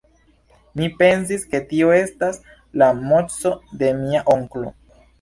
Mi pensis, ke tio estas la mopso de mia onklo.